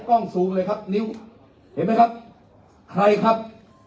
กล้องซูมเลยครับนิ้วเห็นไหมครับใครครับ